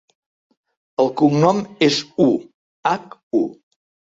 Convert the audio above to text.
El cognom és Hu: hac, u.